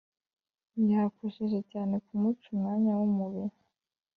Yakosheje cyane kumuca umwanya w’umubiri